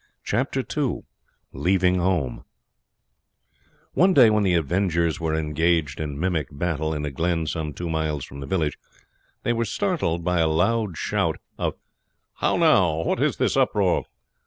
Chapter II Leaving Home One day when "the Avengers" were engaged in mimic battle in a glen some two miles from the village they were startled with a loud shout of "How now, what is this uproar?"